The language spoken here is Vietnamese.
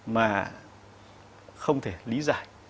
mà không thể lý giải